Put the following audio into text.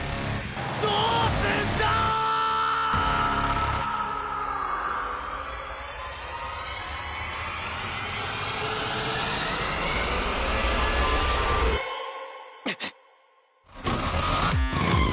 どうすんだ‼んっ！